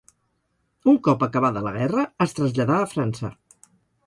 Un cop acabada la guerra, es traslladà a França.